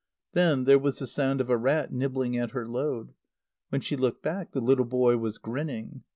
Then there was the sound of a rat nibbling at her load. When she looked back, the little boy was grinning.